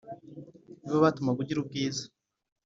Ni bo batumaga ugira ubwiza